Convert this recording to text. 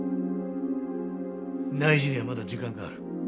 内示にはまだ時間がある。